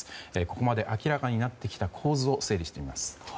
ここまで明らかになってきた構図を整理していきます。